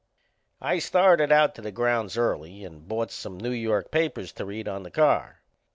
I started out to the grounds early and bought some New York papers to read on the car.